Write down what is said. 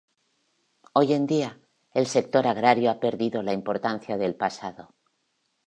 Hoy en día, el sector agrario ha perdido la importancia del pasado.